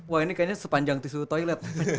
wah ini kayaknya sepanjang tisu toilet